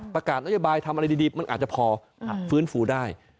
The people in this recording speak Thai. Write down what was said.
ประกาศนโยบายทำอะไรดีมันอาจจะพอฟื้นฟูได้